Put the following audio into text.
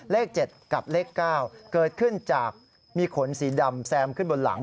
เลข๗กับเลข๙เกิดขึ้นจากมีขนสีดำแซมขึ้นบนหลัง